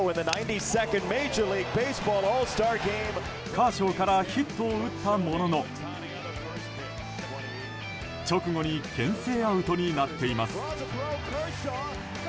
カーショーからヒットを打ったものの直後に牽制アウトになっています。